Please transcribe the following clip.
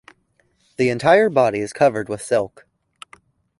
The entire body is covered with silk.